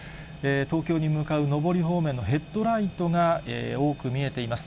東京に向かう上り方面のヘッドライトが多く見えています。